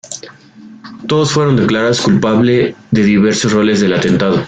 Todos fueron declarados culpable de diversos roles del atentado.